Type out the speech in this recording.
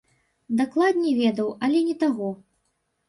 Дакладней ведаў, але не таго.